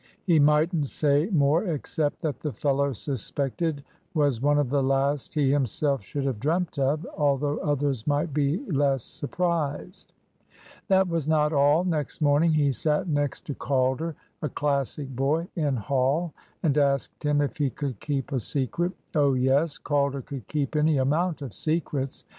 He mightn't say more except that the fellow suspected was one of the last he himself should have dreamt of, although others might be less surprised. That was not all. Next morning he sat next to Calder, a Classic boy, in Hall, and asked him if he could keep a secret. Oh yes, Calder could keep any amount of secrets.